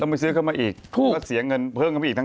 ต้องไปซื้อเข้ามาอีกก็เสียเงินเพิ่มเข้ามาอีก